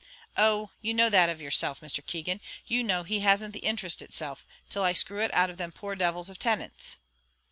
"Oh! you know that of yourself, Mr. Keegan; you know he hasn't the interest itself, till I screw it out of them poor devils of tenants."